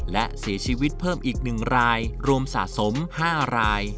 และเสียชีวิตเพิ่มอีก๑รายรวมสะสม๕ราย